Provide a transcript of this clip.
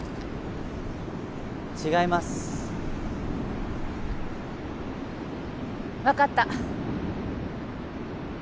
違います分かった